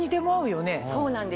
そうなんです。